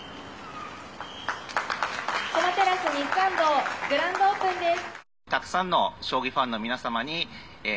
駒テラス西参道グランドオープンです。